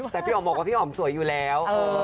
แต่พี่อ๋อมบอกว่าพี่อ๋อมสวยอยู่แล้ว